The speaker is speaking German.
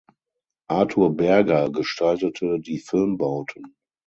Artur Berger gestaltete die Filmbauten.